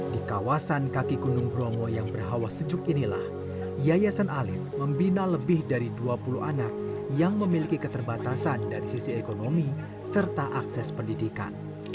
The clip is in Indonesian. di kawasan kaki gunung bromo yang berhawa sejuk inilah yayasan alit membina lebih dari dua puluh anak yang memiliki keterbatasan dari sisi ekonomi serta akses pendidikan